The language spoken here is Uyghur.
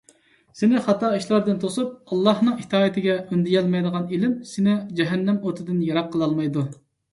سېنى خاتا ئىشلاردىن توسۇپ، ئاللاھنىڭ ئىتائىتىگە ئۈندىيەلمەيدىغان ئىلىم سېنى جەھەننەم ئوتىدىن يىراق قىلالمايدۇ.